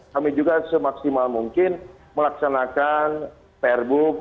kami juga semaksimal mungkin melaksanakan fair book